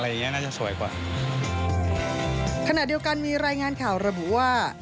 อะไรอย่างเงี้ยน่าจะสวยกว่าขณะเดียวกันมีรายงานข่าวระบุว่า